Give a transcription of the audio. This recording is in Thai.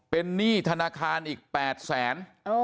เป็นหนี้ธนาคารอีก๘แสน